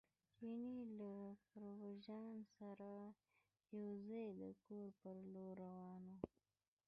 چیني له اکبرجان سره یو ځای د کور پر لور روان و.